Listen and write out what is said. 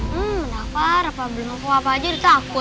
hmm bener apa apa belum ngapain apa aja udah takut